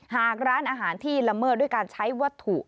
หากร้านอาหารที่ละเมิดด้วยการใช้วัตถุ